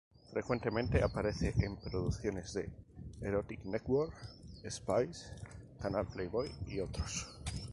Frecuentemente aparece en producciones de "The Erotic Network", Spice, Canal Playboy y otros.